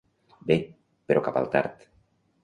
Bé, però cap al tard.